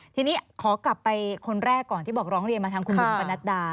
ทีนี้ขอกลับไปคนแรกก่อนที่บอกร้องเรียนมาทางคุณบุ๋มปนัดดา